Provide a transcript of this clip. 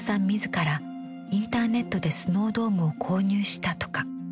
自らインターネットでスノードームを購入したとか。